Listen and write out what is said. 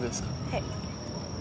はい。